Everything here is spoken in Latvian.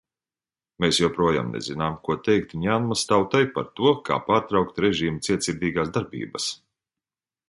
Mēs joprojām nezinām, ko teikt Mjanmas tautai par to, kā pārtraukt režīma cietsirdīgās darbības.